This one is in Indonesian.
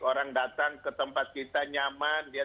orang datang ke tempat kita nyaman